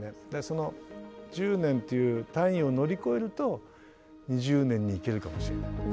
その１０年っていう単位を乗り越えると２０年にいけるかもしれない。